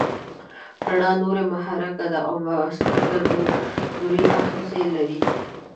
رڼا نوري محرک ده او سترګه نوري آخذې لري.